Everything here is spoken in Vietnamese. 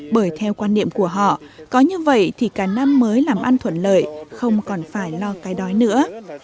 bởi theo quan niệm của họ có như vậy thì cả năm mới làm ăn thuận lợi không còn phải lo cái đói nữa